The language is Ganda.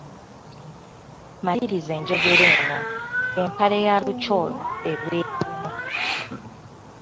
Maliriza enjogera eno; empale ya lukyolo ebeera emu.